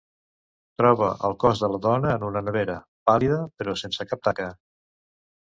Troba el cos de la dona en una nevera, pàl·lida però sense cap taca.